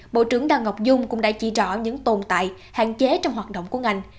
bộ trưởng đào ngọc dung cũng đã chỉ rõ những tồn tại hạn chế trong hoạt động của ngành